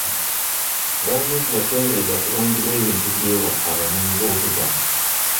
Gavumenti yakendeeza ku bungi bw'ebintu by'ewa abanoonyi b'obubuddamu.